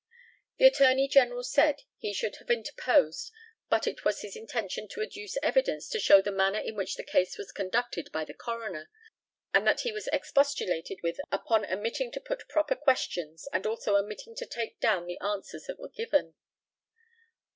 The ATTORNEY GENERAL said, he should have interposed, but it was his intention to adduce evidence to show the manner in which the case was conducted by the coroner, and that he was expostulated with upon omitting to put proper questions, and also omitting to take down the answers that were given.